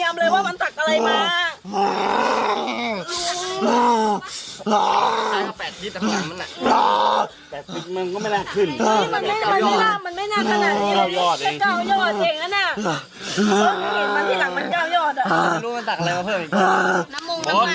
น้ำมุงน้ำมันอะไรมันสักมาหรือเปล่า